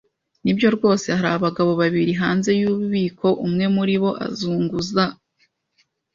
Nibyo rwose, hari abagabo babiri hanze yububiko, umwe muri bo azunguza a